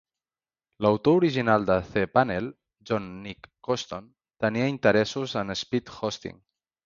L'autor original de cPanel, John Nick Koston, tenia interessos en Speed Hosting.